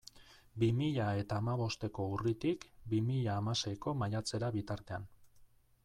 Bi mila eta hamabosteko urritik bi mila hamaseiko maiatzera bitartean.